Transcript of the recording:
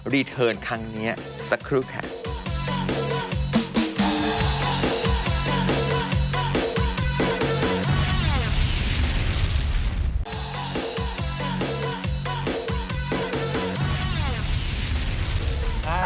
รีเทิร์นครั้งนี้สักครู่ค่ะ